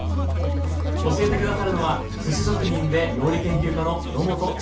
教えて下さるのはすし職人で料理研究家の野本やすゆきさんです。